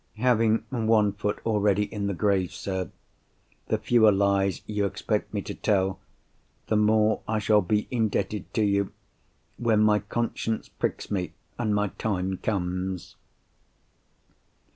Having one foot already in the grave, sir, the fewer lies you expect me to tell, the more I shall be indebted to you, when my conscience pricks me and my time comes."